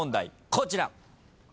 こちら。